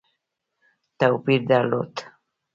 توپیر درلود.